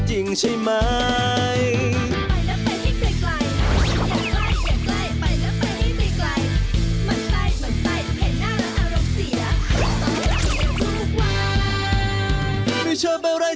ก็ได้มากกว่า